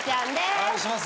お願いします。